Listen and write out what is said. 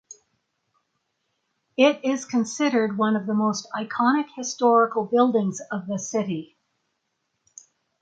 It is considered one of the most iconic historical buildings of the city.